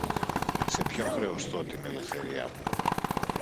Σε ποιον χρεωστώ την ελευθερία μου;